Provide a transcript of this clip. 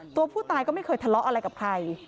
ตัวผู้ตายก็ไม่เคยทะเลาะอะไรกับใคร